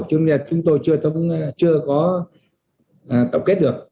chúng tôi chưa có tổng kết được